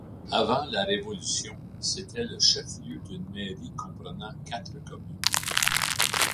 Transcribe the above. Avant la Révolution, c'était le chef-lieu d'une mairie comprenant quatre communes.